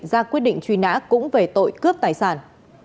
ra quyết định truy nã cũng về tội cướp tài sản